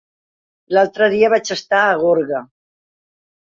L'altre dia vaig estar a Gorga.